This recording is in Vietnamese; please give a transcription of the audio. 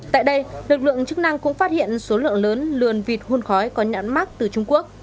tại đây lực lượng chức năng cũng phát hiện số lượng lớn lườn vịt hôn khói có nhãn mắc từ trung quốc